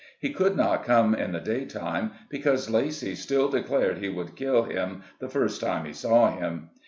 He could not come in the day time, because Lacy still declared he would kill him the first time he saw him.